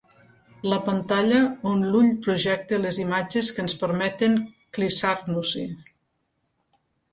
La pantalla on l'ull projecta les imatges que ens permeten clissar-nos-hi.